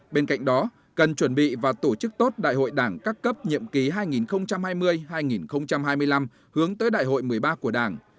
bên cạnh đó cần chuẩn bị và tổ chức tốt đại hội đảng các cấp nhiệm ký hai nghìn hai mươi hai nghìn hai mươi năm hướng tới đại hội một mươi ba của đảng